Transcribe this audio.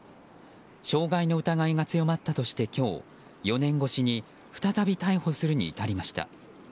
傷害の疑いが強まったとして今日４年越しに再び逮捕するに至りました。